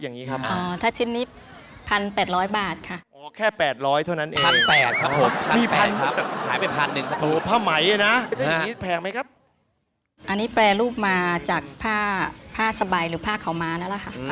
อันนี้แปรรูปมาจากผ้าผ้าสบายหรือผ้าขาวม้านั่นแหละค่ะ